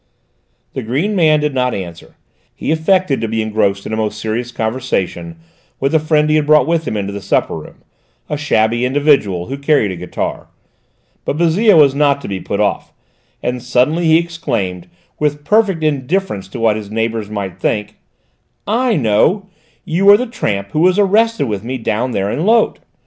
The green man did not answer; he affected to be engrossed in a most serious conversation with the friend he had brought with him into the supper room, a shabby individual who carried a guitar. But Bouzille was not to be put off, and suddenly he exclaimed, with perfect indifference to what his neighbours might think: "I know: you are the tramp who was arrested with me down there in Lot!